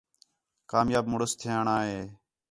کامیاب مُݨس تِھیݨاں ہِے